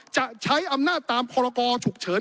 จะใช้อำนาจตามพรกรฉุกเฉิน